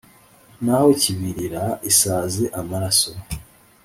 naho kibirira isaze amaraso